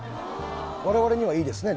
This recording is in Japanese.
我々にはいいですね